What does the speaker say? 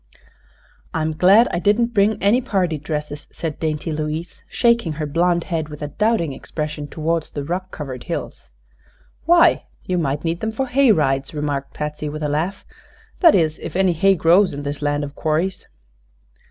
"I'm glad I didn't bring any party dresses," said dainty Louise, shaking her blonde head with a doubting expression toward the rock covered hills. "Why, you might need them for hay rides," remarked Patsy, with a laugh; "that is, if any hay grows in this land of quarries."